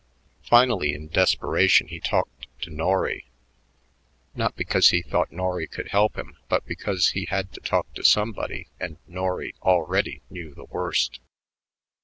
Finally, in desperation, he talked to Norry, not because he thought Norry could help him but because he had to talk to somebody and Norry already knew the worst.